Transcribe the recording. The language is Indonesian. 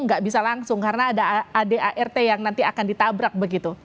nggak bisa langsung karena ada adart yang nanti akan ditabrak begitu